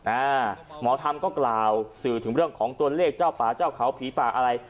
หมอธรรมก็กล่าวสื่อถึงเรื่องของตัวเลขเจ้าป่าเจ้าเขาผีป่าอะไร